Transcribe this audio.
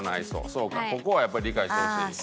そうかここはやっぱ理解してほしい？